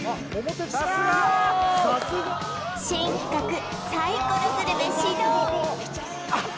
さすが新企画サイコログルメ始動あっ